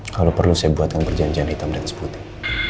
kalau perlu saya buatkan perjanjian hitam dan seputih